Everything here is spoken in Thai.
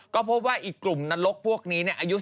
ก็พบว่ากลุ่มนรกพวกนี้อายุ๑๔๒๐